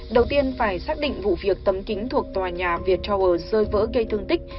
đầu tiên phải xác định vụ việc tấm kính thuộc tòa nhà viettower rơi vỡ gây thương tích